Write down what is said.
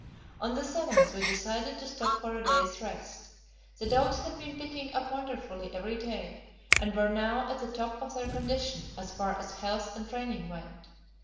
On the 7th we decided to stop for a day's rest. The dogs had been picking up wonderfully every day, and were now at the top of their condition, as far as health and training went.